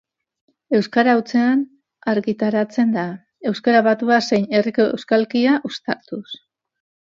Euskara hutsean argitaratzen da, euskara batua zein herriko euskalkia uztartuz.